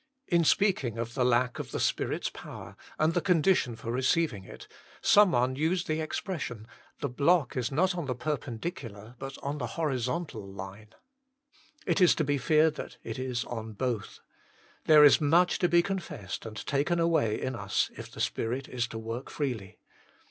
In speaking of lack of the Spirit s power, and the condition for receiving it, someone used the expression the block is not on the per pendicular, but on the horizontal line. It is to be feared that it is on both. There is much to be con fessed and taken away in us if the Spirit is to work freely.